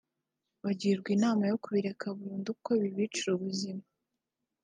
bagirwa inama yo kubireka burundu kuko bibicira ubuzima